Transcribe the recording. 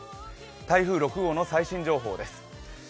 台風６号の最新情報です。